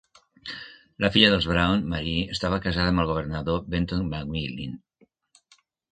La filla dels Brown, Marie, estava casada amb el governador Benton McMillin.